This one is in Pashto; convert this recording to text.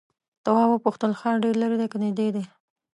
تواب وپوښتل ښار ډېر ليرې دی که نږدې دی؟